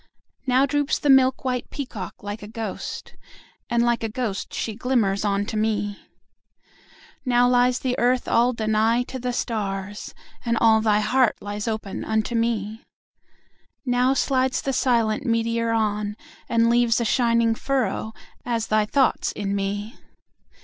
Now droops the milk white peacock like a ghost, 5 And like a ghost she glimmers on to me. Now lies the Earth all Danaë to the stars, And all thy heart lies open unto me. Now slides the silent meteor on, and leaves A shining furrow, as thy thoughts in me.